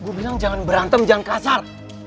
gue bilang jangan berantem jangan kasar